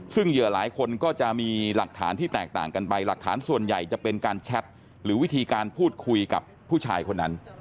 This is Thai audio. ซึ่งเหยื่อหลายคนก็จะมีหลักฐานที่แตกต่างกันไปหลักฐานส่วนใหญ่จะเป็นการแชทหรือวิธีการพูดคุยกับผู้ชายคนนั้น